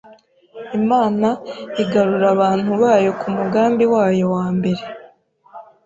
Imana igarura abantu bayo ku mugambi wayo wa mbere,